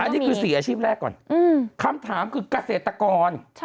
อันนี้คือ๔อาชีพแรกก่อนคำถามคือเกษตรกร